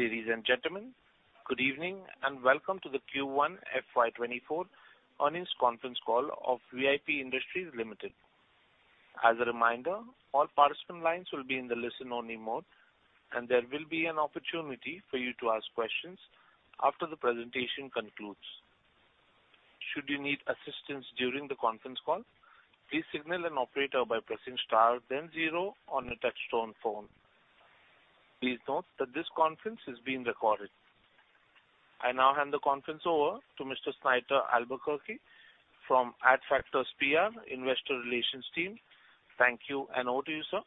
Ladies and gentlemen, good evening and welcome to the Q1 FY24 Earnings Conference Call of VIP Industries Limited. As a reminder, all participant lines will be in the listen-only mode, and there will be an opportunity for you to ask questions after the presentation concludes. Should you need assistance during the conference call, please signal an operator by pressing star, then zero on a touch-tone phone. Please note that this conference is being recorded. I now hand the conference over to Mr. Snighter Albuquerque from Adfactors PR Investor Relations team. Thank you, and over to you, sir.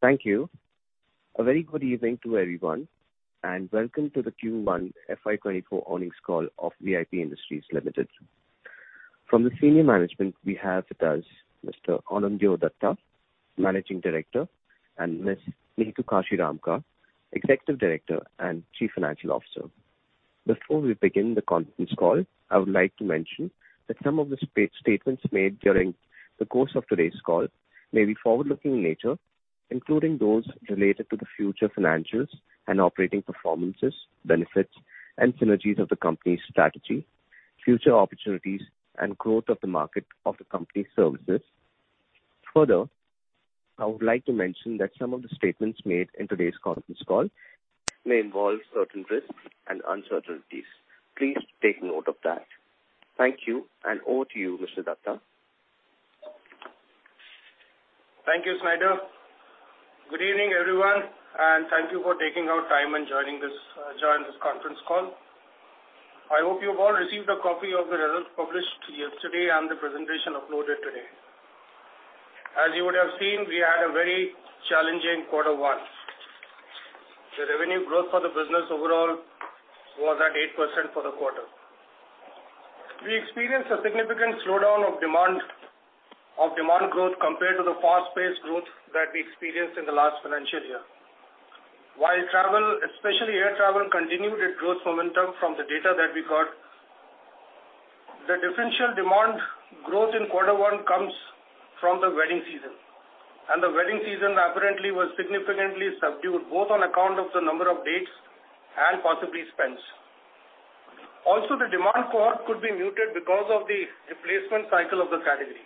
Thank you. A very good evening to everyone, and welcome to the Q1 FY24 Earnings Call of VIP Industries Limited. From the senior management, we have with us Mr. Anindya Dutta, Managing Director, and Ms. Neetu Kashiramka, Executive Director and Chief Financial Officer. Before we begin the conference call, I would like to mention that some of the statements made during the course of today's call may be forward-looking in nature, including those related to the future financials and operating performances, benefits, and synergies of the company's strategy, future opportunities, and growth of the market of the company's services. Further, I would like to mention that some of the statements made in today's conference call may involve certain risks and uncertainties. Please take note of that. Thank you, and over to you, Mr. Dutta. Thank you, Snighter. Good evening, everyone, and thank you for taking your time and joining this conference call. I hope you've all received a copy of the results published yesterday and the presentation uploaded today. As you would have seen, we had a very challenging quarter one. The revenue growth for the business overall was at 8% for the quarter. We experienced a significant slowdown of demand growth compared to the fast-paced growth that we experienced in the last financial year. While travel, especially air travel, continued its growth momentum from the data that we got, the differential demand growth in quarter one comes from the wedding season, and the wedding season apparently was significantly subdued both on account of the number of dates and possibly spends. Also, the demand core could be muted because of the replacement cycle of the category,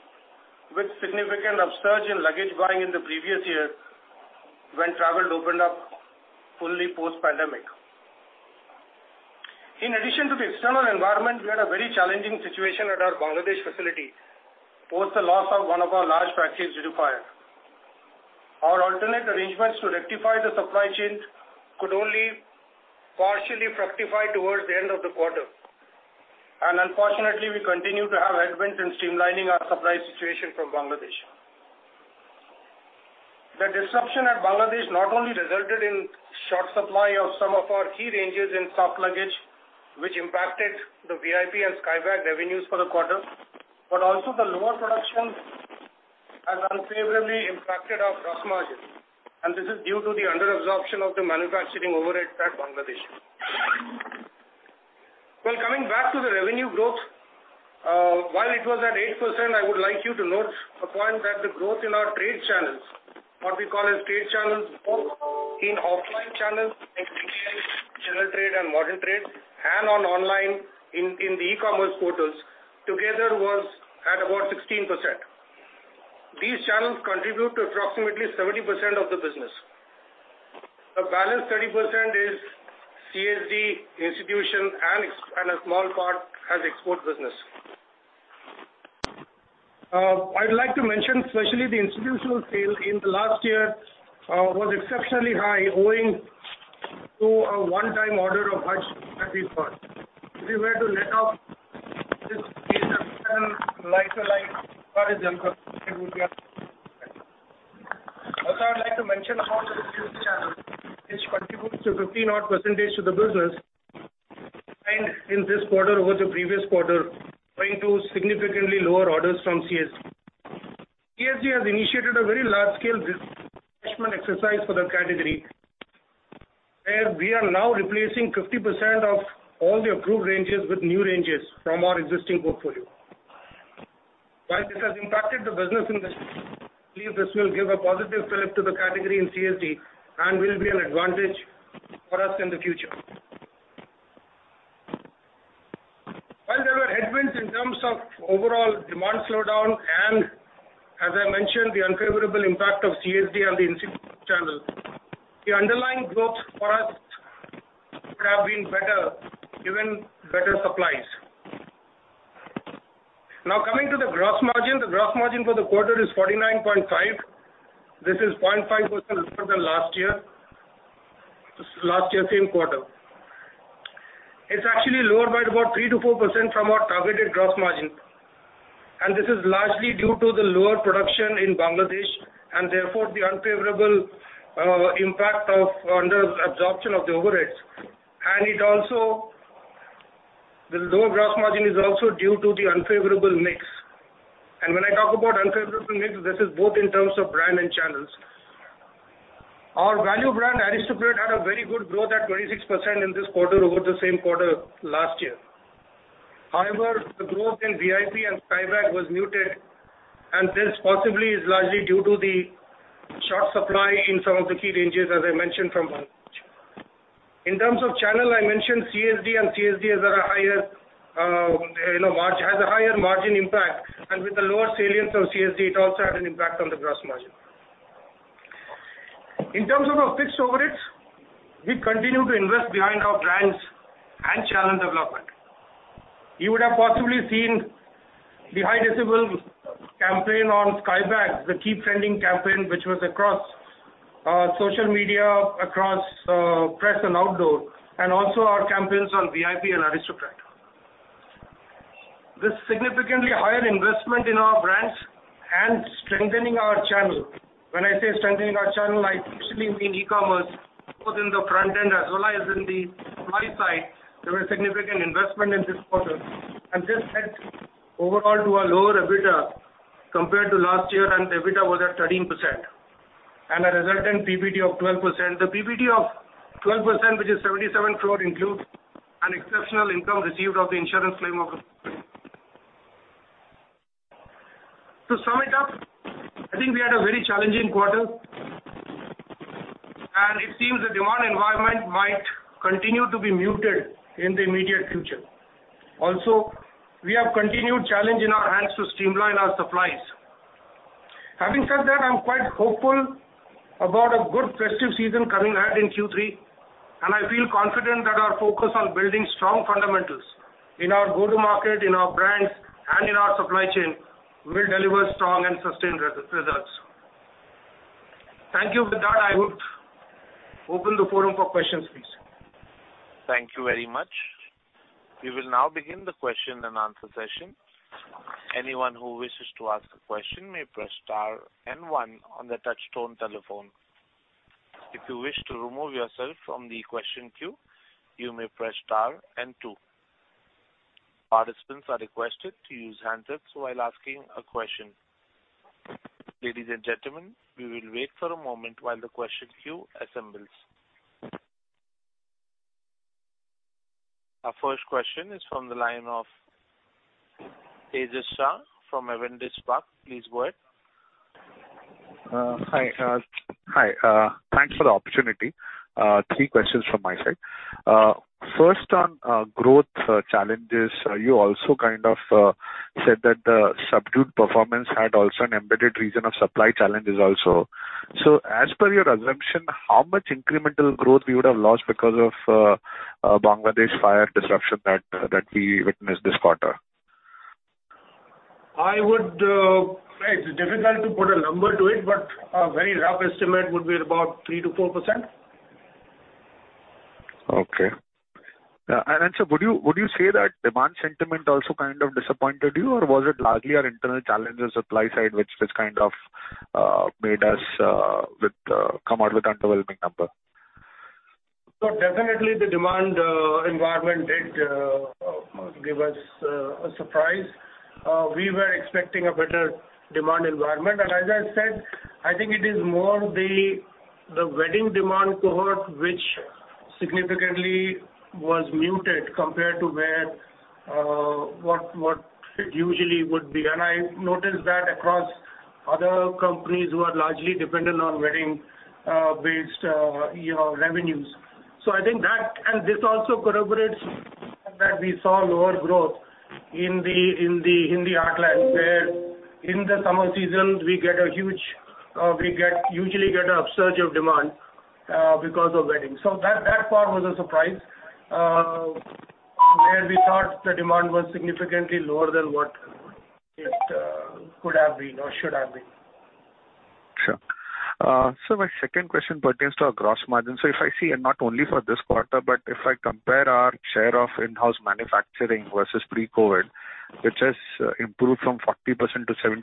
with significant upsurge in luggage buying in the previous year when travel opened up fully post-pandemic. In addition to the external environment, we had a very challenging situation at our Bangladesh facility post the loss of one of our large factories due to fire. Our alternate arrangements to rectify the supply chain could only partially fructify towards the end of the quarter, and unfortunately, we continue to have headwinds in streamlining our supply situation from Bangladesh. The disruption at Bangladesh not only resulted in short supply of some of our key ranges in soft luggage, which impacted the VIP and Skybags revenues for the quarter, but also the lower production has unfavorably impacted our gross margin, and this is due to the underabsorption of the manufacturing overhead at Bangladesh. Coming back to the revenue growth, while it was at 8%, I would like you to note a point that the growth in our trade channels, what we call as trade channels, both in offline channels like retail, general trade, and modern trade, and online in the e-commerce portals together was at about 16%. These channels contribute to approximately 70% of the business. The balance 30% is CSD institution, and a small part has export business. I'd like to mention especially the institutional sale in the last year was exceptionally high, owing to a one-time order of Hajj that we bagged. If you were to net out this piece, like-to-like growth, it would be at 17%. Also, I'd like to mention about the business channels, which contribute to 15-odd% to the business in this quarter over the previous quarter, owing to significantly lower orders from CSD. CSD has initiated a very large-scale refreshment exercise for the category, where we are now replacing 50% of all the approved ranges with new ranges from our existing portfolio. While this has impacted the business industry, I believe this will give a positive pull-up to the category in CSD and will be an advantage for us in the future. While there were headwinds in terms of overall demand slowdown and, as I mentioned, the unfavorable impact of CSD on the institutional channel, the underlying growth for us would have been better, given better supplies. Now, coming to the gross margin, the gross margin for the quarter is 49.5. This is 0.5% lower than last year, last year's same quarter. It's actually lower by about 3%-4% from our targeted gross margin, and this is largely due to the lower production in Bangladesh and, therefore, the unfavorable impact of underabsorption of the overheads. The lower gross margin is also due to the unfavorable mix. When I talk about unfavorable mix, this is both in terms of brand and channels. Our value brand, Aristocrat, had a very good growth at 26% in this quarter over the same quarter last year. However, the growth in VIP and Skybags was muted, and this possibly is largely due to the short supply in some of the key ranges, as I mentioned, from Bangladesh. In terms of channel, I mentioned CSD, and CSD has a higher margin, has a higher margin impact, and with the lower salience of CSD, it also had an impact on the gross margin. In terms of our fixed overheads, we continue to invest behind our brands and channel development. You would have possibly seen the high-decibel campaign on Skybags, the key trending campaign, which was across social media, across press and outdoor, and also our campaigns on VIP and Aristocrat. This significantly higher investment in our brands and strengthening our channel, when I say strengthening our channel, I especially mean e-commerce, both in the front end as well as in the supply side, there was significant investment in this quarter, and this led overall to a lower EBITDA compared to last year, and the EBITDA was at 13% and a resultant PBT of 12%. The PBT of 12%, which is 77 crore, includes an exceptional income received of the insurance claim of the company. To sum it up, I think we had a very challenging quarter, and it seems the demand environment might continue to be muted in the immediate future. Also, we have continued challenge in our hands to streamline our supplies. Having said that, I'm quite hopeful about a good festive season coming ahead in Q3, and I feel confident that our focus on building strong fundamentals in our go-to-market, in our brands, and in our supply chain will deliver strong and sustained results. Thank you. With that, I would open the forum for questions, please. Thank you very much. We will now begin the Q&A session. Anyone who wishes to ask a question may press star and one on the touch-tone telephone. If you wish to remove yourself from the question queue, you may press star and two. Participants are requested to use handsets while asking a question. Ladies and gentlemen, we will wait for a moment while the question queue assembles. Our first question is from the line of Tejas Shah from Avendus Spark. Please go ahead. Thanks for the opportunity. Three questions from my side. First, on growth challenges, you also said that the subdued performance had also an embedded reason of supply challenge also. So as per your assumption, how much incremental growth we would have lost because of Bangladesh fire disruption that we witnessed this quarter? It's difficult to put a number to it, but a very rough estimate would be about 3%-4%. And so, would you say that demand sentiment also disappointed you, or was it largely our internal challenges, supply side, which made us come out with underwhelming numbers? Definitely, the demand environment, it gave us a surprise. We were expecting a better demand environment, and as I said, I think it is more the wedding demand cohort which significantly was muted compared to what it usually would be. I noticed that across other companies who are largely dependent on wedding-based revenues. I think that, and this also corroborates that we saw lower growth in the Hindi heartland where in the summer season, we usually get an upsurge of demand because of wedding. That part was a surprise where we thought the demand was significantly lower than what it could have been or should have been. Sure. So my second question pertains to our gross margin. So if I see not only for this quarter, but if I compare our share of in-house manufacturing versus pre-COVID, which has improved from 40%-70%,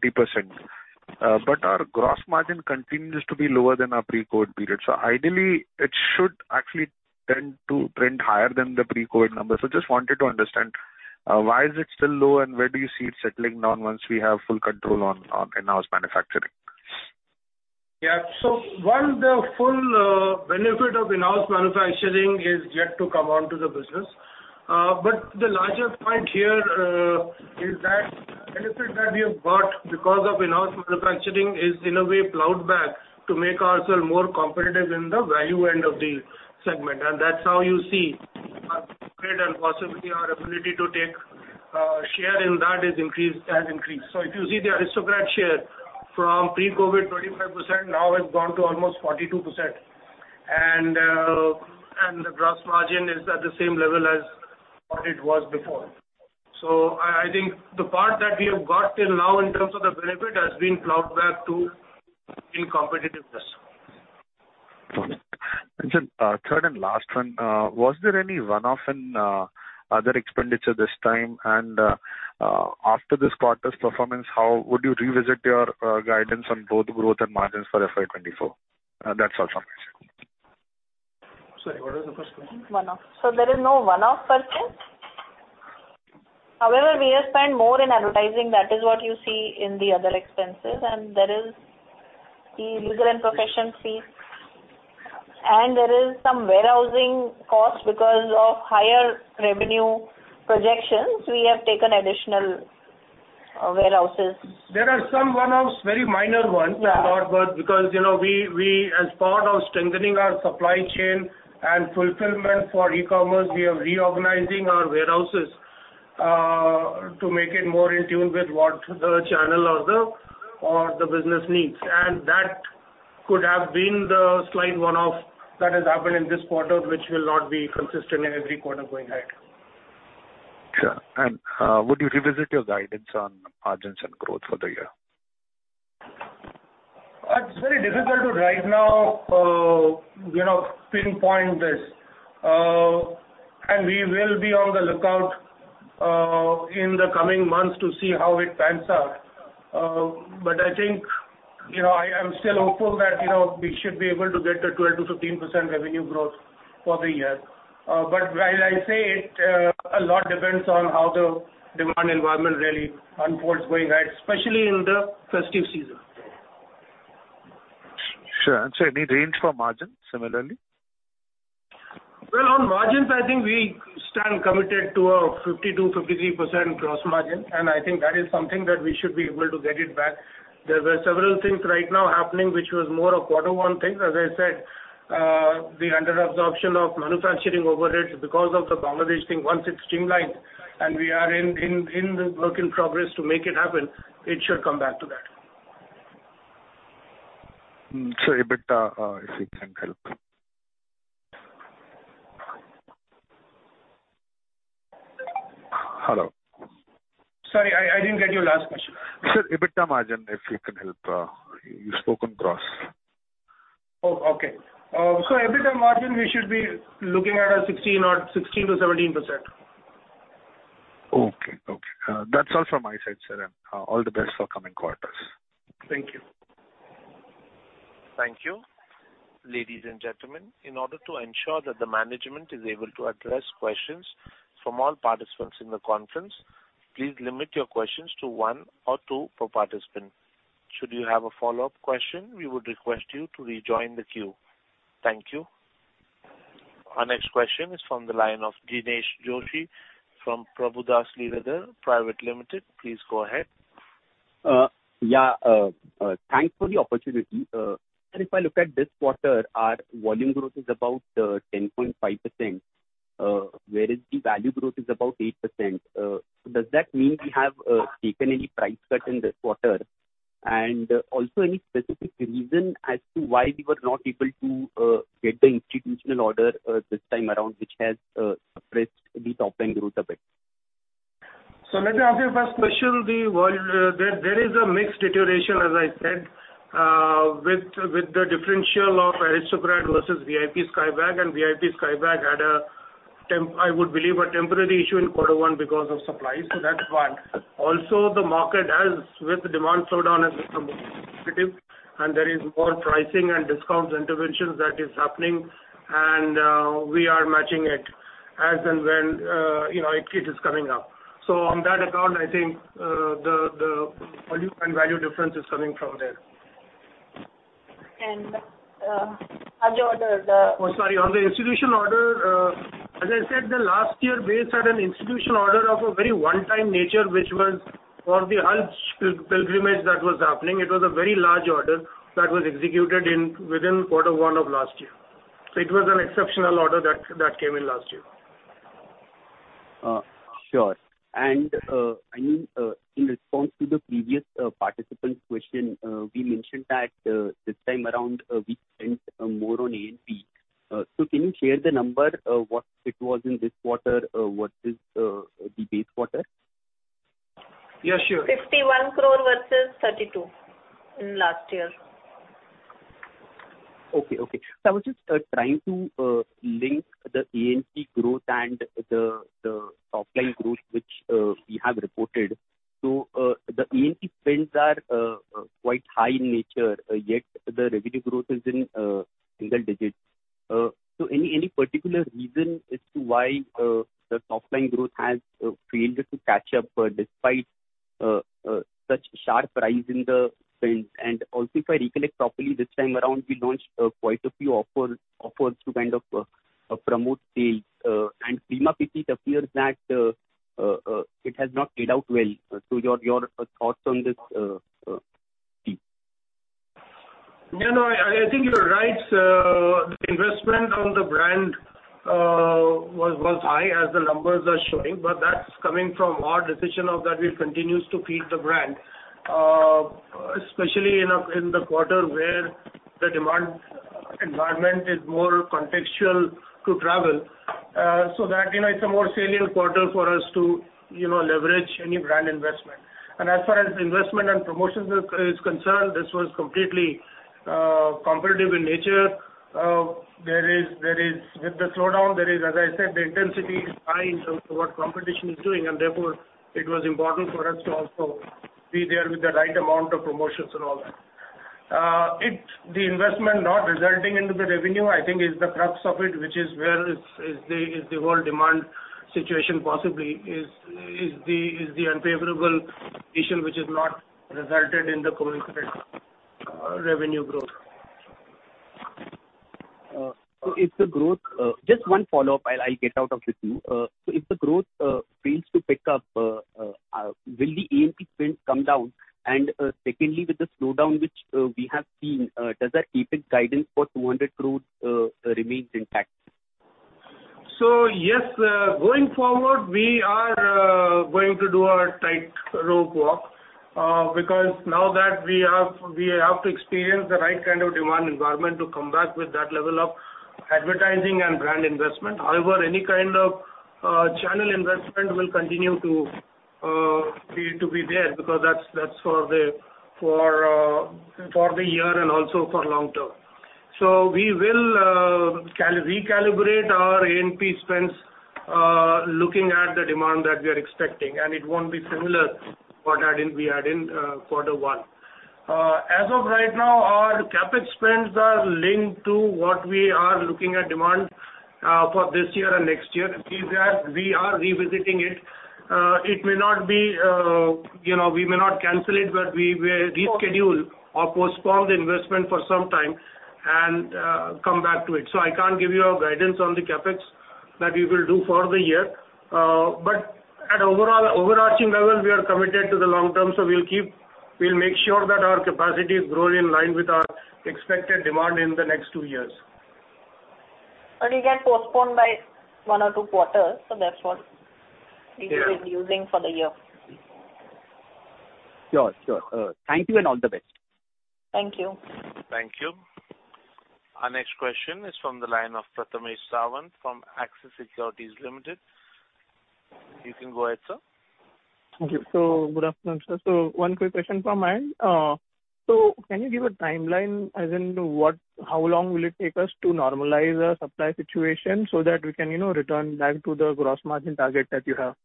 but our gross margin continues to be lower than our pre-COVID period, so ideally, it should actually tend to trend higher than the pre-COVID number. So I just wanted to understand, why is it still low, and where do you see it settling down once we have full control on in-house manufacturing? So while the full benefit of in-house manufacturing is yet to come onto the business, but the larger point here is that benefit that we have got because of in-house manufacturing is, in a way, ploughed back to make ourselves more competitive in the value end of the segment. And that's how you see our growth and possibly our ability to take share in that has increased. So if you see the Aristocrat share from pre-COVID, 25% now has gone to almost 42%, and the gross margin is at the same level as what it was before. So I think the part that we have got till now in terms of the benefit has been ploughed back to incompetitiveness. Got it. And so, third and last one, was there any runoff in other expenditure this time? And after this quarter's performance, would you revisit your guidance on both growth and margins for FY24? That's all from me. Sorry, what was the first question? Runoff. There is no runoff, per se. However, we have spent more in advertising. That is what you see in the other expenses, and there is the legal and professional fees. There is some warehousing cost because of higher revenue projections. We have taken additional warehouses. There are some runoffs, very minor ones, but because we, as part of strengthening our supply chain and fulfillment for e-commerce, we are reorganizing our warehouses to make it more in tune with what the channel or the business needs. And that could have been the slight runoff that has happened in this quarter, which will not be consistent in every quarter going ahead. Sure. And would you revisit your guidance on margins and growth for the year? It's very difficult right now to pinpoint this, and we will be on the lookout in the coming months to see how it pans out. But I think I am still hopeful that we should be able to get the 12%-15% revenue growth for the year. But while I say it, a lot depends on how the demand environment really unfolds going ahead, especially in the festive season. Sure. And so, any range for margins, similarly? On margins, I think we stand committed to a 52%-53% gross margin, and I think that is something that we should be able to get it back. There were several things right now happening which was more a Q1 thing. As I said, the underabsorption of manufacturing overheads because of the Bangladesh thing, once it's streamlined and we are in the work in progress to make it happen, it should come back to that. Sorry, EBITDA, if you can help. Hello? Sorry, I didn't get your last question. Sir, EBITDA margin, if you can help. You've spoken across. So EBITDA margin, we should be looking at 16%-17%. That's all from my side, sir, and all the best for coming quarters. Thank you. Thank you. Ladies and gentlemen, in order to ensure that the management is able to address questions from all participants in the conference, please limit your questions to one or two per participant. Should you have a follow-up question, we would request you to rejoin the queue. Thank you. Our next question is from the line of Dinesh Joshi from Prabhudas Lilladher Private Limited. Please go ahead. Thanks for the opportunity. If I look at this quarter, our volume growth is about 10.5%, whereas the value growth is about 8%. Does that mean we have taken any price cut in this quarter and also any specific reason as to why we were not able to get the institutional order this time around, which has suppressed the top-line growth a bit? So let me ask you first question. There is a Mix deterioration, as I said, with the differential of Aristocrat versus VIP Skybags, and VIP Skybags had, I would believe, a temporary issue in quarter one because of supply. So that's one. Also, the market, with the demand slowdown, has become more competitive, and there is more pricing and discounts interventions that are happening, and we are matching it as and when it is coming up. So on that account, I think the volume and value difference is coming from there. How's your order? Oh, sorry. On the institutional order, as I said, the last year's base had an institutional order of a very one-time nature, which was for the Hajj pilgrimage that was happening. It was a very large order that was executed within quarter one of last year. So it was an exceptional order that came in last year. Sure. And I mean, in response to the previous participant's question, we mentioned that this time around, we spent more on A&P. So can you share the number, what it was in this quarter versus the base quarter? Sure. 51 crore versus 32 in last year. So I was just trying to link the A&P growth and the top-line growth, which we have reported. So the A&P spends are quite high in nature, yet the revenue growth is in single digits. So any particular reason as to why the top-line growth has failed to catch up despite such sharp rise in the spends? And also, if I recollect properly, this time around, we launched quite a few offers to promote sales, and prima facie it appears that it has not paid out well. So your thoughts on this piece? No. I think you're right. The investment on the brand was high as the numbers are showing, but that's coming from our decision that we'll continue to feed the brand, especially in the quarter where the demand environment is more contextual to travel. So that it's a more salient quarter for us to leverage any brand investment. As far as investment and promotion is concerned, this was completely competitive in nature. With the slowdown, as I said, the intensity is high in terms of what competition is doing, and therefore, it was important for us to also be there with the right amount of promotions and all that. The investment not resulting into the revenue, I think, is the crux of it, which is where the whole demand situation possibly is the unfavorable issue which has not resulted in the current revenue growth. So, just one follow-up, I'll get out of you two. So if the growth fails to pick up, will the A&P spend come down? And secondly, with the slowdown which we have seen, does our A&P capex guidance for 200 crore remain intact? So yes. Going forward, we are going to do a tightrope walk because now that we have to experience the right demand environment to come back with that level of advertising and brand investment. However, any channel investment will continue to be there because that's for the year and also for long term. So we will recalibrate our A&P spends looking at the demand that we are expecting, and it won't be similar to what we had in quarter one. As of right now, our CapEx spends are linked to what we are looking at demand for this year and next year. We are revisiting it. It may not be we may not cancel it, but we will reschedule or postpone the investment for some time and come back to it. So I can't give you guidance on the CapEx that we will do for the year, but at overarching level, we are committed to the long term, so we'll make sure that our capacity is growing in line with our expected demand in the next two years. Only get postponed by 1 or 2 quarters, so that's what we're using for the year. Sure. Thank you and all the best. Thank you. Thank you. Our next question is from the line of Prathamesh Sawant from Axis Securities Limited. You can go ahead, sir. Thank you. Good afternoon, sir. One quick question from mine. Can you give a timeline, as in how long will it take us to normalize our supply situation so that we can return back to the gross margin target that you have?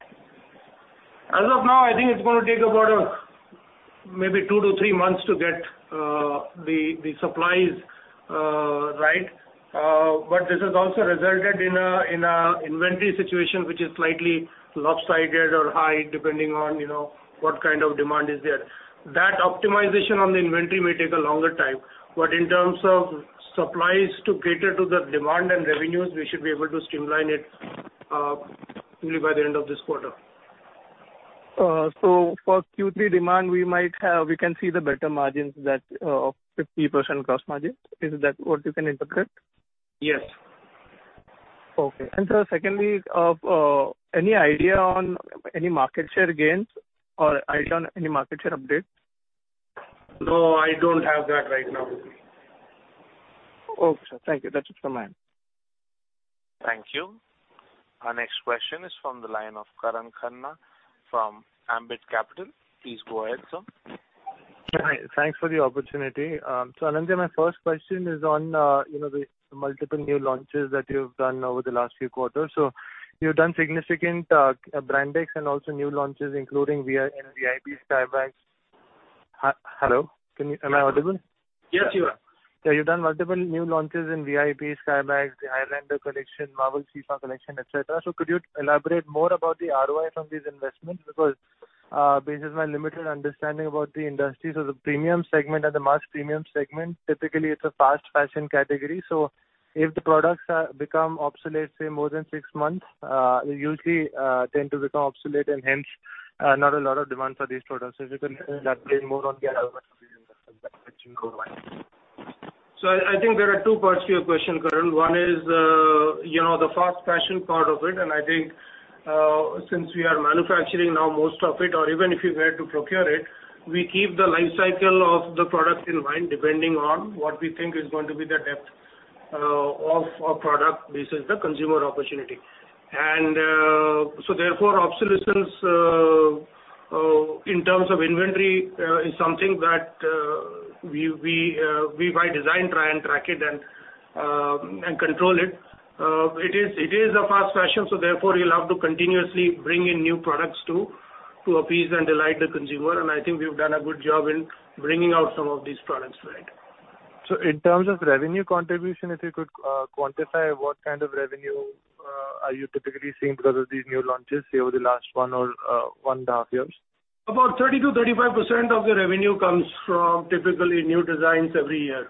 As of now, I think it's going to take about maybe 2-3 months to get the supplies right, but this has also resulted in an inventory situation which is slightly lopsided or high depending on what demand is there. That optimization on the inventory may take a longer time, but in terms of supplies to cater to the demand and revenues, we should be able to streamline it only by the end of this quarter. For Q3 demand, we can see the better margins of 50% gross margin. Is that what you can interpret? Yes. Sir, secondly, any idea on any market share gains or idea on any market share update? No, I don't have that right now. Okay, sir. Thank you. That's it from mine. Thank you. Our next question is from the line of Karan Khanna from Ambit Capital. Please go ahead, sir. Hi. Thanks for the opportunity. So Anindya, my first question is on the multiple new launches that you've done over the last few quarters. So you've done significant brand extensions and also new launches, including VIP Skybags. Hello? Am I audible? Yes, you are. You've done multiple new launches in VIP Skybags, the Highlander collection, Marvel FIFA collection, etc. So could you elaborate more about the ROI from these investments? Because this is my limited understanding about the industry. So the premium segment and the mass premium segment, typically, it's a fast-fashion category. So if the products become obsolete, say, more than six months, they usually tend to become obsolete and hence, not a lot of demand for these products. So if you can elaborate more on the ROI from these investments, that's another one. So I think there are two parts to your question, Karan. One is the fast-fashion part of it, and I think since we are manufacturing now most of it, or even if you were to procure it, we keep the lifecycle of the product in mind depending on what we think is going to be the depth of our product versus the consumer opportunity. And so therefore, obsolescence in terms of inventory is something that we, by design, try and track it and control it. It is a fast-fashion, so therefore, you'll have to continuously bring in new products to appease and delight the consumer, and I think we've done a good job in bringing out some of these products right. So in terms of revenue contribution, if you could quantify what revenue are you typically seeing because of these new launches, say, over the last 1 or 1.5 years? About 30%-35% of the revenue comes from typically new designs every year.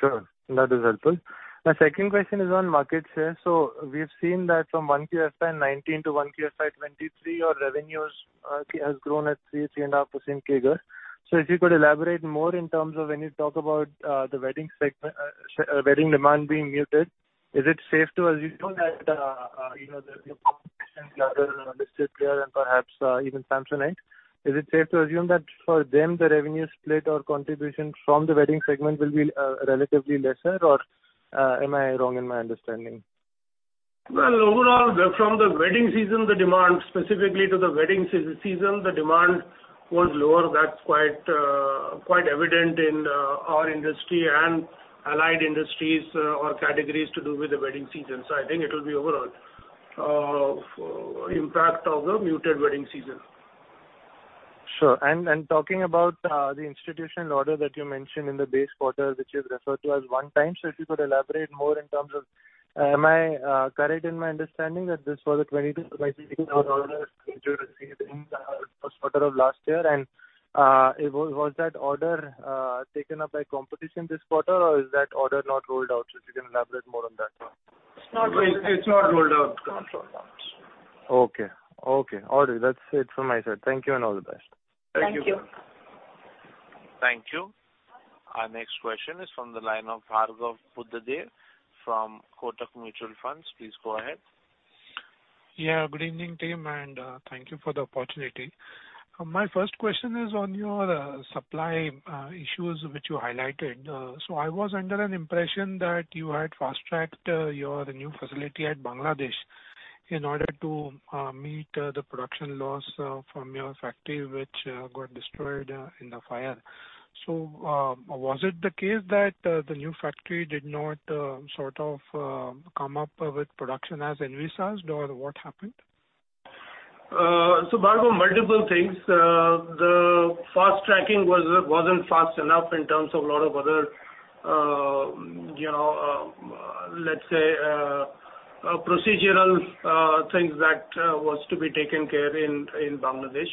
Sure. That is helpful. My second question is on market share. So we've seen that from Q1 FY19 to Q1 FY23, your revenue has grown at 3%-3.5% CAGR. So if you could elaborate more in terms of when you talk about the wedding demand being muted, is it safe to assume that the competition, the other listed players, and perhaps even Samsonite, is it safe to assume that for them, the revenue split or contribution from the wedding segment will be relatively lesser, or am I wrong in my understanding? Overall, from the wedding season, the demand specifically to the wedding season, the demand was lower. That's quite evident in our industry and allied industries or categories to do with the wedding season. So I think it will be overall impact of the muted wedding season. Sure. Talking about the institutional order that you mentioned in the base quarter, which is referred to as one-time, so if you could elaborate more in terms of am I correct in my understanding that this was a B2B order that you received in the Q1 of last year? And was that order taken up by competition this quarter, or is that order not rolled out? If you can elaborate more on that. It's not rolled out. It's not rolled out. Not rolled out. All right. That's it from my side. Thank you and all the best. Thank you. Thank you. Thank you. Our next question is from the line of Bhargav Buddhadev from Kotak Mutual Funds. Please go ahead. Good evening, team, and thank you for the opportunity. My first question is on your supply issues which you highlighted. So I was under an impression that you had fast-tracked your new facility at Bangladesh in order to meet the production loss from your factory, which got destroyed in the fire. So was it the case that the new factory did not come up with production as envisaged, or what happened? So Bhargav, multiple things. The fast-tracking wasn't fast enough in terms of a lot of other, let's say, procedural things that was to be taken care of in Bangladesh.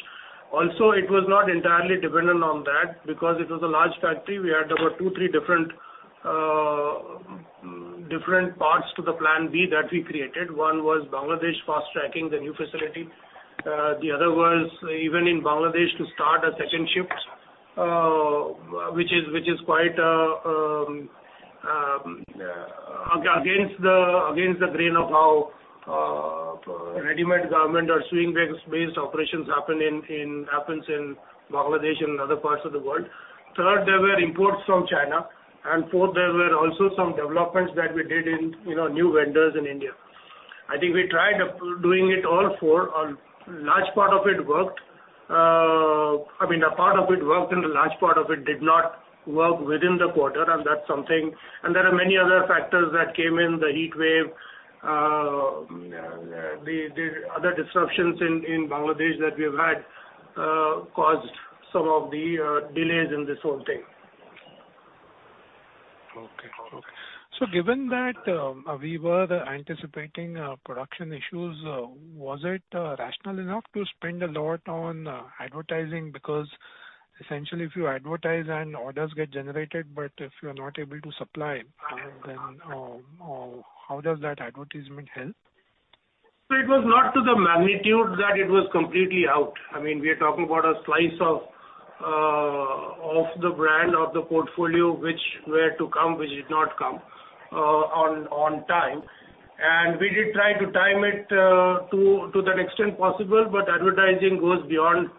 Also, it was not entirely dependent on that because it was a large factory. We had about 2, 3 different parts to the plan B that we created. One was Bangladesh fast-tracking the new facility. The other was even in Bangladesh to start a second shift, which is quite against the grain of how ready-made garment or sewing-based operations happen in Bangladesh and other parts of the world. Third, there were imports from China. And fourth, there were also some developments that we did in new vendors in India. I think we tried doing it all 4. A large part of it worked. I mean, a part of it worked, and a large part of it did not work within the quarter, and that's something and there are many other factors that came in: the heat wave, the other disruptions in Bangladesh that we've had caused some of the delays in this whole thing. So given that we were anticipating production issues, was it rational enough to spend a lot on advertising? Because essentially, if you advertise and orders get generated, but if you're not able to supply, then how does that advertisement help? So it was not to the magnitude that it was completely out. I mean, we are talking about a slice of the brand of the portfolio which were to come, which did not come on time. And we did try to time it to the next extent possible, but advertising goes beyond,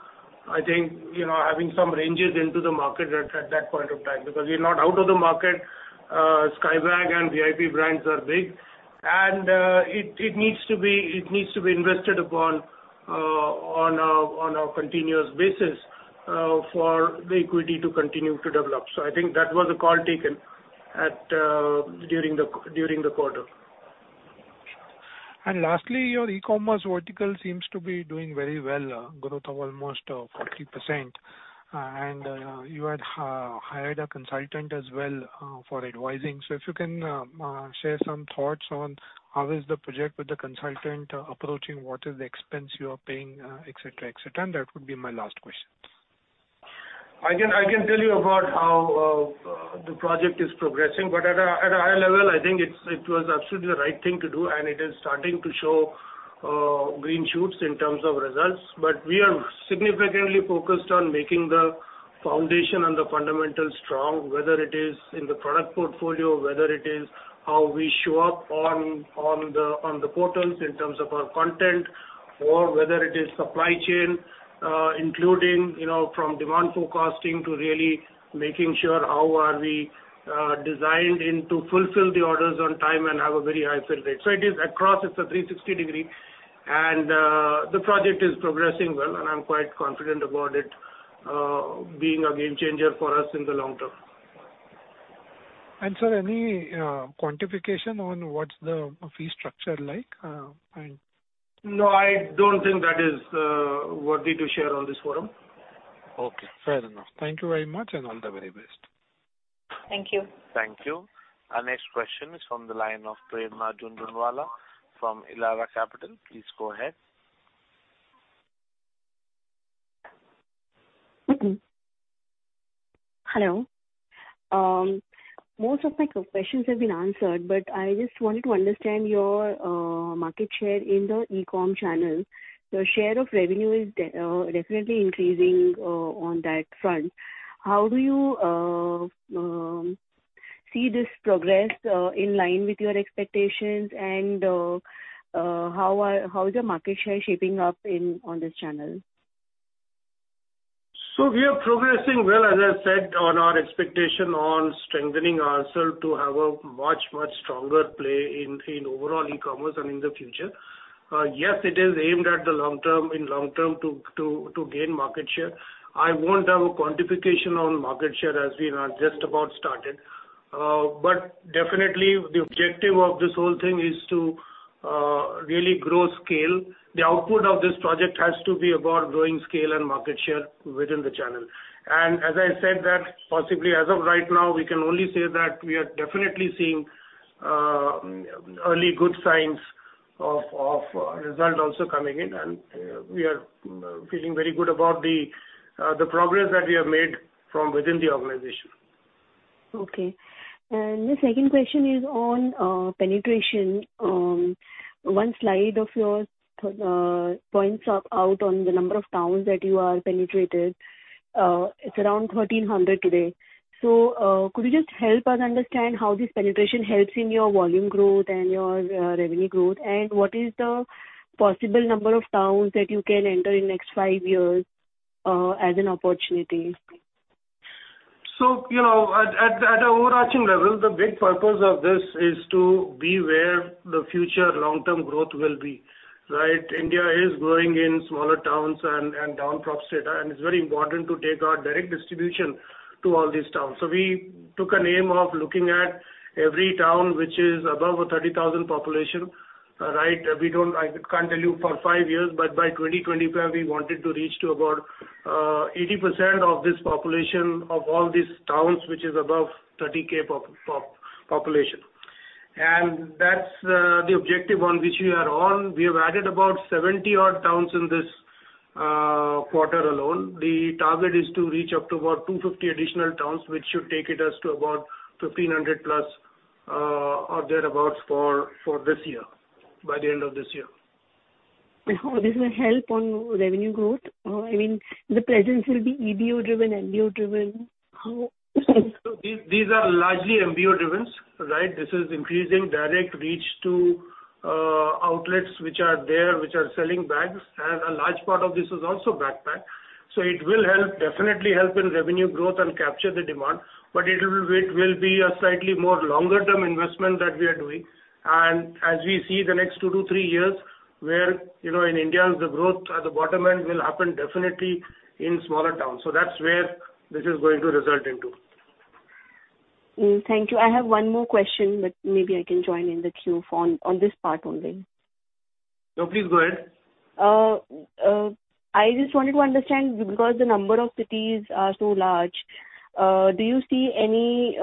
I think, having some ranges into the market at that point of time because we're not out of the market. Skybags and VIP brands are big, and it needs to be invested upon a continuous basis for the equity to continue to develop. So I think that was a call taken during the quarter. Lastly, your e-commerce vertical seems to be doing very well, growth of almost 40%. You had hired a consultant as well for advising. If you can share some thoughts on how is the project with the consultant approaching? What is the expense you are paying, etc.? That would be my last question. I can tell you about how the project is progressing, but at a high level, I think it was absolutely the right thing to do, and it is starting to show green shoots in terms of results. But we are significantly focused on making the foundation and the fundamentals strong, whether it is in the product portfolio, whether it is how we show up on the portals in terms of our content, or whether it is supply chain, including from demand forecasting to really making sure how are we designed to fulfill the orders on time and have a very high fill rate. So it is across. It's a 360-degree, and the project is progressing well, and I'm quite confident about it being a game-changer for us in the long term. Sir, any quantification on what's the fee structure like? No, I don't think that is worthy to share on this forum. Fair enough. Thank you very much and all the very best. Thank you. Thank you. Our next question is from the line of Prerna Jhunjhunwala from Elara Capital. Please go ahead. Hello. Most of my questions have been answered, but I just wanted to understand your market share in the e-com channel. Your share of revenue is definitely increasing on that front. How do you see this progress in line with your expectations, and how is your market share shaping up on this channel? We are progressing well, as I said, on our expectation on strengthening ourselves to have a much, much stronger play in overall e-commerce and in the future. Yes, it is aimed at the long term in long term to gain market share. I won't have a quantification on market share as we are just about started, but definitely, the objective of this whole thing is to really grow scale. The output of this project has to be about growing scale and market share within the channel. As I said that possibly as of right now, we can only say that we are definitely seeing early good signs of result also coming in, and we are feeling very good about the progress that we have made from within the organization. And the second question is on penetration. One slide of your points out on the number of towns that you are penetrated. It's around 1,300 today. So could you just help us understand how this penetration helps in your volume growth and your revenue growth, and what is the possible number of towns that you can enter in the next five years as an opportunity? So at an overarching level, the big purpose of this is to be where the future long-term growth will be, right? India is growing in smaller towns and downtowns, and it's very important to take our direct distribution to all these towns. We took aim of looking at every town which is above a 30,000 population, right? I can't tell you for 5 years, but by 2025, we wanted to reach to about 80% of this population of all these towns which is above 30K population. And that's the objective on which we are on. We have added about 70-odd towns in this quarter alone. The target is to reach up to about 250 additional towns, which should take us to about 1,500-plus or thereabouts for this year by the end of this year. This will help on revenue growth? I mean, the presence will be EBO-driven, MBO-driven? These are largely MBO-driven, right? This is increasing direct reach to outlets which are there, which are selling bags, and a large part of this is also backpack. So it will definitely help in revenue growth and capture the demand, but it will be a slightly longer-term investment that we are doing. As we see the next two to three years where in India, the growth at the bottom end will happen definitely in smaller towns. So that's where this is going to result into. Thank you. I have one more question, but maybe I can join in the queue on this part only. No, please go ahead. I just wanted to understand because the number of cities are so large, do you see any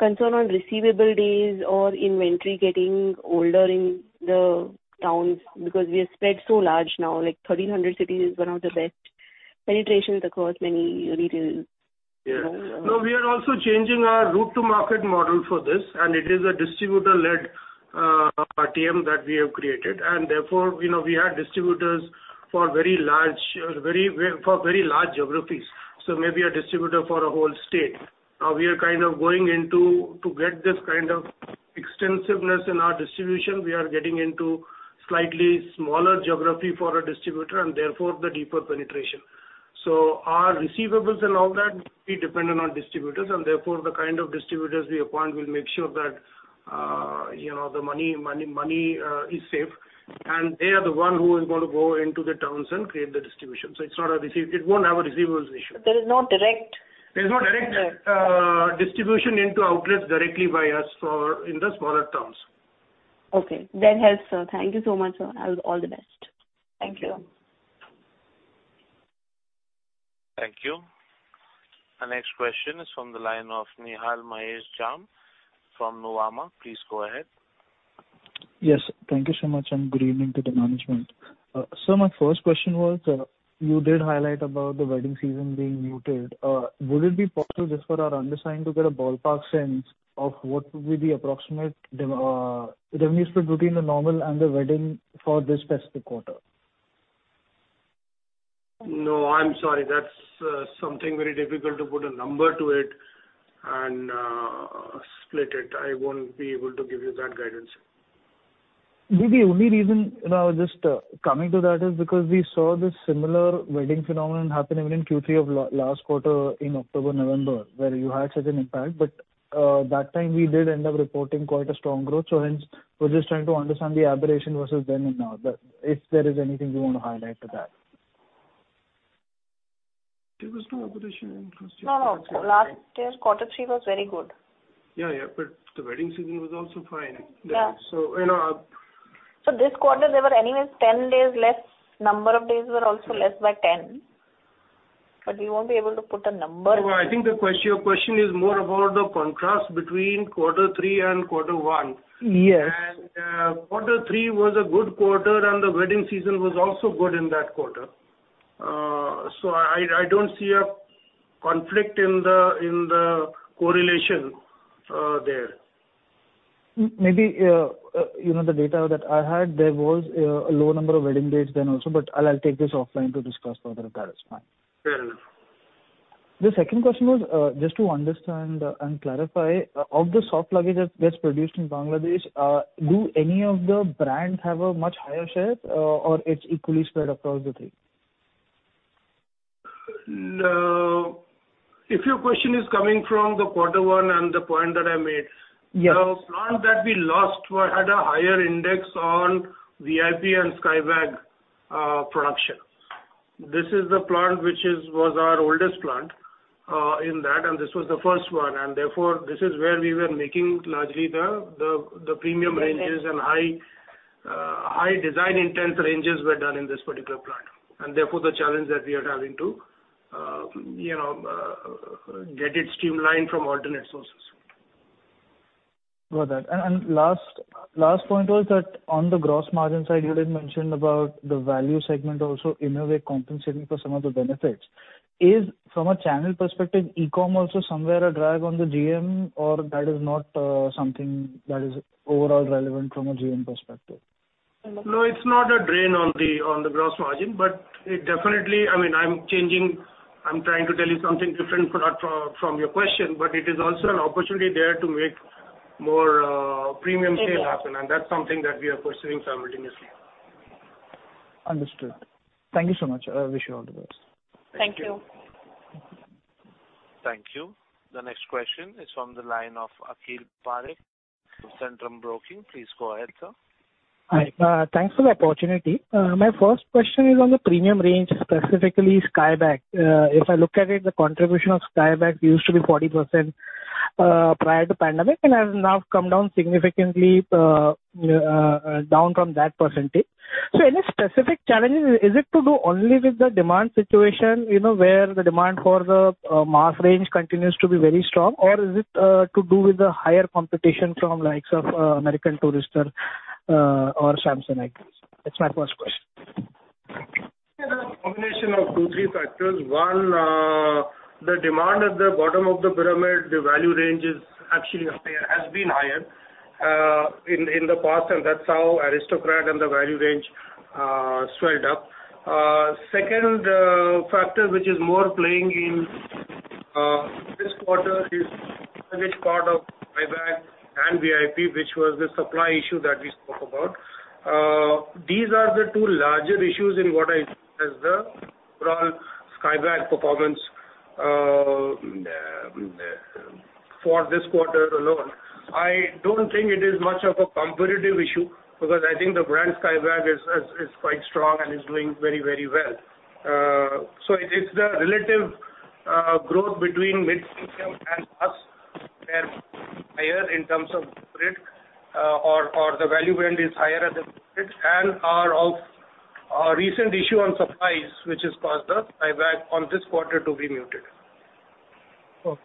concern on receivable days or inventory getting older in the towns because we are spread so large now? 1,300 cities is one of the best penetrations across many retails. No, we are also changing our route-to-market model for this, and it is a distributor-led GTM that we have created. And therefore, we had distributors for very large geographies. So maybe a distributor for a whole state. Now, we are going into to get this extensiveness in our distribution, we are getting into slightly smaller geography for a distributor, and therefore, the deeper penetration. So our receivables and all that will be dependent on distributors, and therefore, the distributors we appoint will make sure that the money is safe. And they are the one who is going to go into the towns and create the distribution. So it's not; it won't have a receivables issue. But there is no direct? There is no direct distribution into outlets directly by us in the smaller towns. That helps, sir. Thank you so much, sir. All the best. Thank you. Thank you. Our next question is from the line of Nihal Mahesh Jham from Nuvama. Please go ahead. Yes. Thank you so much, and good evening to the management. Sir, my first question was you did highlight about the wedding season being muted. Would it be possible just for our undersigned to get a ballpark sense of what would be the approximate revenue split between the normal and the wedding for this festive quarter? No, I'm sorry. That's something very difficult to put a number to it and split it. I won't be able to give you that guidance. Maybe the only reason just coming to that is because we saw this similar wedding phenomenon happen even in Q3 of last quarter in October, November, where you had such an impact. But that time, we did end up reporting quite a strong growth. So hence, we're just trying to understand the aberration versus then and now, if there is anything you want to highlight to that. There was no aberration in last year? No. Last year, quarter three was very good. But the wedding season was also fine. So in our. This quarter, there were anyways 10 days less. Number of days were also less by 10, but we won't be able to put a number. No, I think your question is more about the contrast between quarter three and quarter one. Quarter three was a good quarter, and the wedding season was also good in that quarter. I don't see a conflict in the correlation there. Maybe the data that I had, there was a low number of wedding dates then also, but I'll take this offline to discuss further. That is fine. Fair enough. The second question was just to understand and clarify. Of the soft luggage that's produced in Bangladesh, do any of the brands have a much higher share, or it's equally spread across the three? If your question is coming from the quarter one and the point that I made, the plant that we lost had a higher index on VIP and Skybags production. This is the plant which was our oldest plant in that, and this was the first one. Therefore, this is where we were making largely the premium ranges and high design-intense ranges were done in this particular plant. Therefore, the challenge that we are having to get it streamlined from alternate sources. Got that. Last point was that on the gross margin side, you did mention about the value segment also in a way compensating for some of the benefits. Is, from a channel perspective, e-com also somewhere a drag on the GM, or that is not something that is overall relevant from a GM perspective? No, it's not a drain on the gross margin, but it definitely, I mean, I'm trying to tell you something different from your question, but it is also an opportunity there to make more premium sale happen, and that's something that we are pursuing simultaneously. Understood. Thank you so much. I wish you all the best. Thank you. Thank you. The next question is from the line of Akhil Parekh of Centrum Broking. Please go ahead, sir. Hi. Thanks for the opportunity. My first question is on the premium range, specifically Skybags. If I look at it, the contribution of Skybags used to be 40% prior to pandemic, and it has now come down significantly from that percentage. So any specific challenges? Is it to do only with the demand situation where the demand for the mass range continues to be very strong, or is it to do with the higher competition from likes of American Tourister or Samsonite? That's my first question. Combination of two or three factors. One, the demand at the bottom of the pyramid, the value range is actually higher, has been higher in the past, and that's how Aristocrat and the value range swelled up. Second factor which is more playing in this quarter is luggage part of Skybags and VIP, which was the supply issue that we spoke about. These are the two larger issues in what I see as the overall Skybags performance for this quarter alone. I don't think it is much of a competitive issue because I think the brand Skybags is quite strong and is doing very, very well. So it's the relative growth between mid-series and us that is higher in terms of GT, or the value band is higher at the GT. And our recent issue on supplies, which has caused Skybags on this quarter to be muted. Sorry.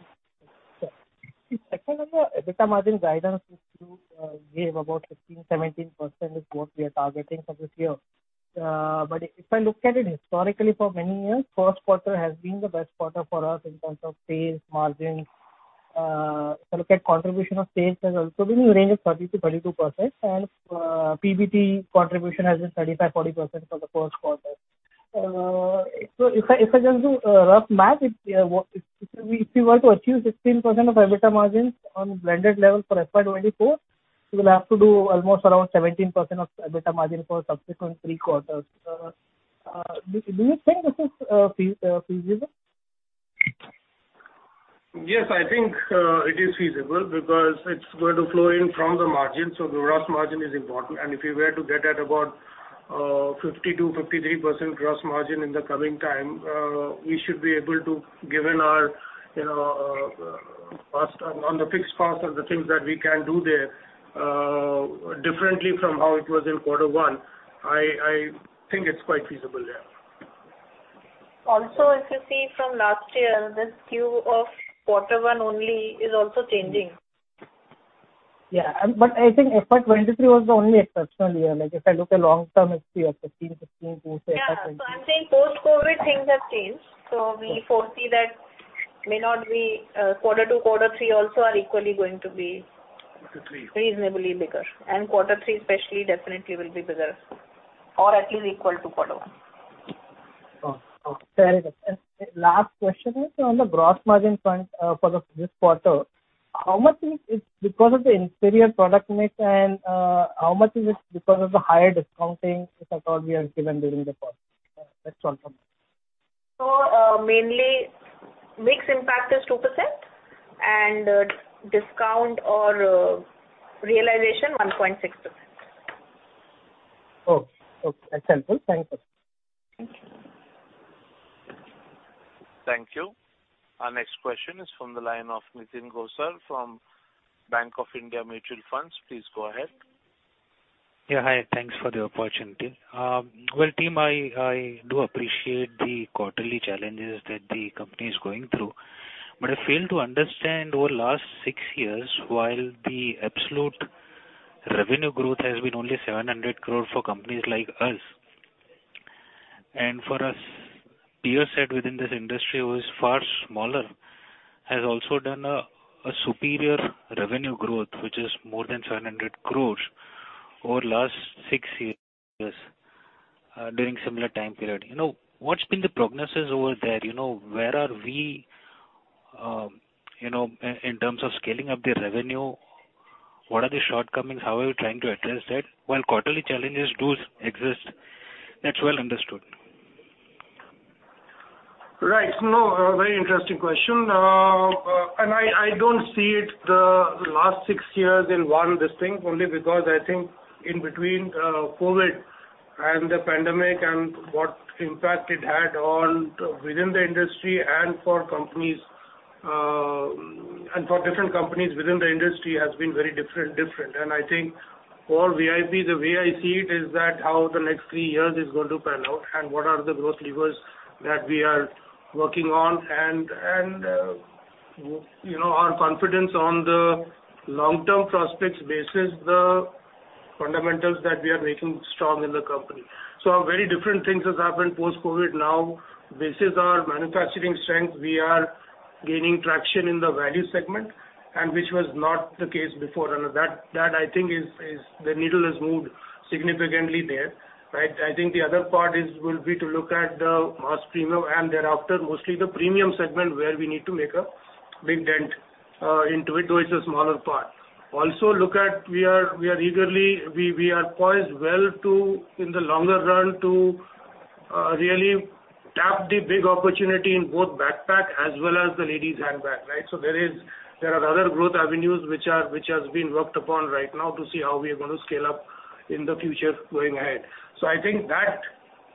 The second number, the EBITDA margin guidance which you gave about 15%-17% is what we are targeting for this year. But if I look at it historically for many years, the Q1 has been the best quarter for us in terms of sales, margins. If I look at contribution of sales, there's also been a range of 30%-32%, and PBT contribution has been 35%-40% for the Q1. So if I just do a rough math, if we were to achieve 16% of our EBITDA margins on blended level for FY24, we will have to do almost around 17% of EBITDA margin for subsequent three quarters. Do you think this is feasible? Yes, I think it is feasible because it's going to flow in from the margin. So the gross margin is important. If we were to get at about 50%-53% gross margin in the coming time, we should be able to, given our past on the fixed past and the things that we can do there differently from how it was in quarter one, I think it's quite feasible there. Also, if you see from last year, this queue of quarter one only is also changing. But I think FY23 was the only exceptional year. If I look at long-term history of 15, 16, 2, say FY23. So I'm saying post-COVID, things have changed. So we foresee that may not be quarter two. Quarter three also are equally going to be reasonably bigger. And quarter three, especially, definitely will be bigger or at least equal to quarter one. Very good. Last question is on the Gross Margin front for this quarter. How much is it because of the inferior product mix, and how much is it because of the higher discounting, if at all, we are given during the quarter? That's all from me. Mainly, mixed impact is 2%, and discount or realization 1.6%. That's helpful. Thank you. Thank you. Thank you. Our next question is from the line of Nitin Gosar from Bank of India Mutual Funds. Please go ahead. Hi. Thanks for the opportunity. Well, team, I do appreciate the quarterly challenges that the company is going through, but I failed to understand over the last six years while the absolute revenue growth has been only 700 crore for companies like us. And for us, peers said within this industry who is far smaller has also done a superior revenue growth, which is more than 700 crores over the last six years during a similar time period. What's been the prognosis over there? Where are we in terms of scaling up the revenue? What are the shortcomings? How are we trying to address that while quarterly challenges do exist? That's well understood. Right. No, very interesting question. I don't see it the last six years in one distinct only because I think in between COVID and the pandemic and what impact it had within the industry and for companies and for different companies within the industry has been very different. I think for VIP, the way I see it is that how the next three years is going to pan out and what are the growth levers that we are working on and our confidence on the long-term prospects bases the fundamentals that we are making strong in the company. Very different things have happened post-COVID. Now, basis of our manufacturing strength, we are gaining traction in the value segment, which was not the case before. I think the needle has moved significantly there, right? I think the other part will be to look at the mass premium and thereafter mostly the premium segment where we need to make a big dent into it, though it's a smaller part. Also, look at we are eagerly we are poised well in the longer run to really tap the big opportunity in both backpack as well as the ladies' handbag, right? So there are other growth avenues which have been worked upon right now to see how we are going to scale up in the future going ahead. So I think that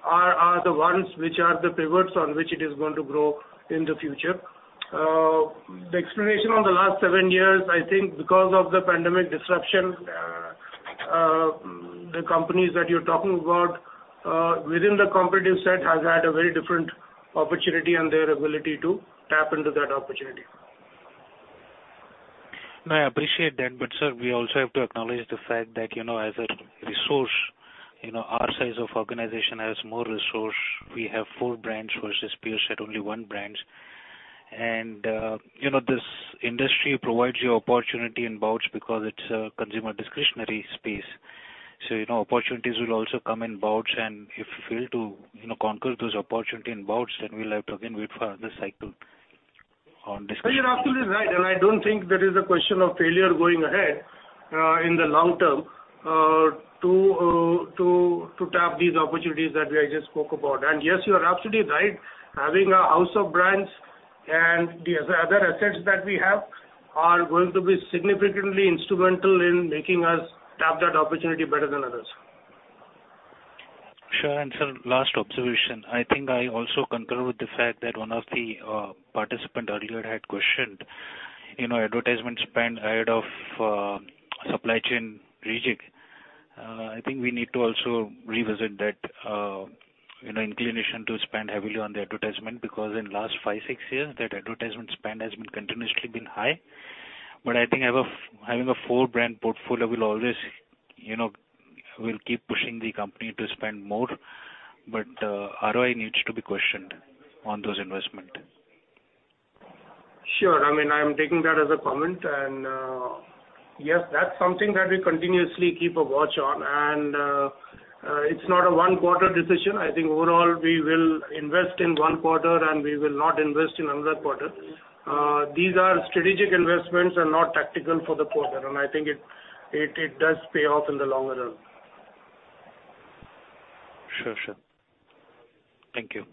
are the ones which are the pivots on which it is going to grow in the future. The explanation on the last seven years, I think because of the pandemic disruption, the companies that you're talking about within the competitive set have had a very different opportunity and their ability to tap into that opportunity. No, I appreciate that. But sir, we also have to acknowledge the fact that as a resource, our size of organization has more resource. We have four brands versus peers have only one brand. And this industry provides you opportunity in bouts because it's a consumer discretionary space. So opportunities will also come in bouts. And if you fail to conquer those opportunity in bouts, then we'll have to again wait for another cycle on discretion. No, you're absolutely right. I don't think there is a question of failure going ahead in the long term to tap these opportunities that we just spoke about. Yes, you're absolutely right. Having a house of brands and the other assets that we have are going to be significantly instrumental in making us tap that opportunity better than others. Sure. And sir, last observation. I think I also concur with the fact that one of the participants earlier had questioned advertisement spend ahead of supply chain rejig. I think we need to also revisit that inclination to spend heavily on the advertisement because in the last five, six years, that advertisement spend has been continuously high. But I think having a four-brand portfolio will always keep pushing the company to spend more. But ROI needs to be questioned on those investments. Sure. I mean, I'm taking that as a comment. Yes, that's something that we continuously keep a watch on. It's not a one-quarter decision. I think overall, we will invest in one quarter, and we will not invest in another quarter. These are strategic investments and not tactical for the quarter. I think it does pay off in the longer run. Sure. Thank you.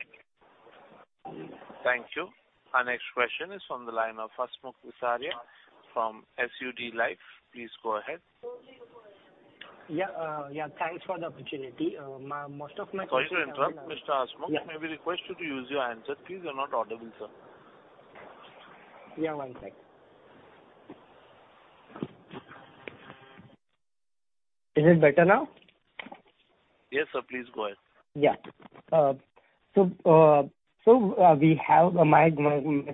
Thank you. Our next question is from the line of Hasmukh Visaria from SUD Life. Please go ahead. Thanks for the opportunity. Most of my questions. Sorry to interrupt, Mr. Hasmukh. May we request you to use your handset, please? You're not audible, sir. One sec. Is it better now? Yes, sir. Please go ahead. So my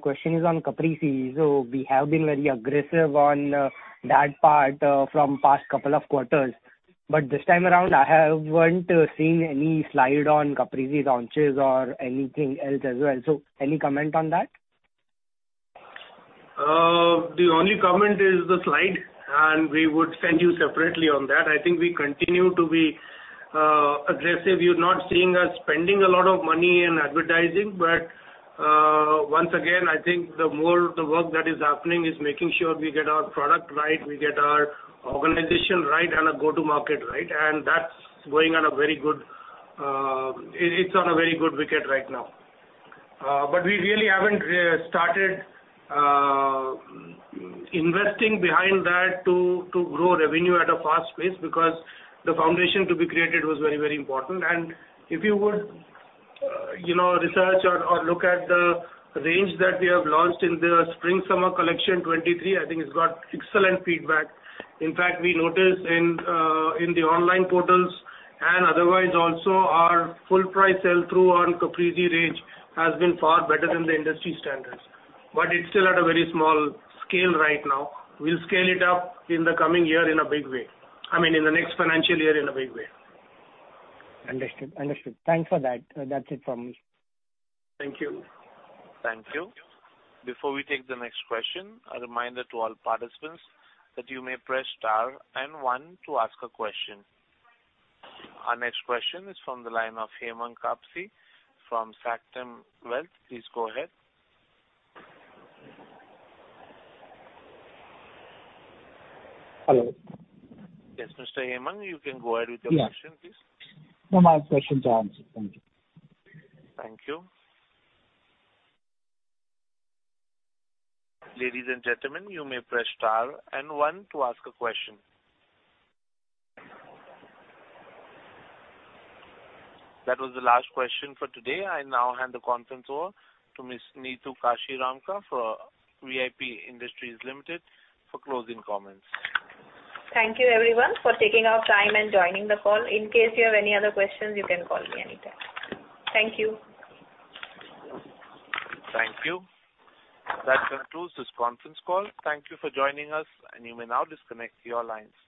question is on Caprese. So we have been very aggressive on that part from the past couple of quarters. But this time around, I haven't seen any slide on Caprese launches or anything else as well. So any comment on that? The only comment is the slide, and we would send you separately on that. I think we continue to be aggressive. You're not seeing us spending a lot of money in advertising. But once again, I think the work that is happening is making sure we get our product right, we get our organization right, and our go-to-market right. And that's going on a very good it's on a very good wicket right now. But we really haven't started investing behind that to grow revenue at a fast pace because the foundation to be created was very, very important. And if you would research or look at the range that we have launched in the spring-summer collection 2023, I think it's got excellent feedback. In fact, we noticed in the online portals and otherwise also, our full-price sell-through on Caprese range has been far better than the industry standards. It's still at a very small scale right now. We'll scale it up in the coming year in a big way I mean, in the next financial year in a big way. Understood. Understood. Thanks for that. That's it from me. Thank you. Thank you. Before we take the next question, a reminder to all participants that you may press star and one to ask a question. Our next question is from the line of Hemant Kapasi from Sanctum Wealth. Please go ahead. Hello. Yes, Mr. Hemant. You can go ahead with your question, please. Yes. No, my question's answered. Thank you. Thank you. Ladies and gentlemen, you may press star and one to ask a question. That was the last question for today. I now hand the conference over to Ms. Neetu Kashiramka for VIP Industries Limited for closing comments. Thank you, everyone, for taking our time and joining the call. In case you have any other questions, you can call me anytime. Thank you. Thank you. That concludes this conference call. Thank you for joining us, and you may now disconnect your lines.